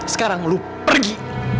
sekarang lo pergi